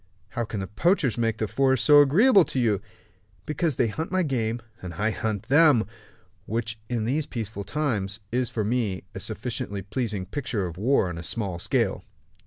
"How can the poachers make the forest so agreeable to you?" "Because they hunt my game, and I hunt them which, in these peaceful times, is for me a sufficiently pleasing picture of war on a small scale."